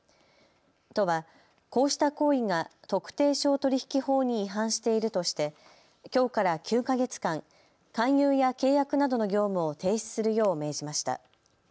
都はこうした行為が特定商取引法に違反しているとしてきょうから９か月間勧誘や契約などの業務を停止するよう命じました。